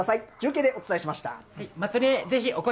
中継でお伝えしました。